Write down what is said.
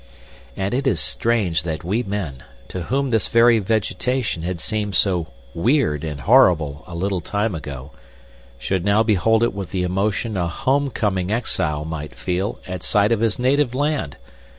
And it is strange that we men, to whom this very vegetation had seemed so weird and horrible a little time ago, should now behold it with the emotion a home coming exile might feel at sight of his native land.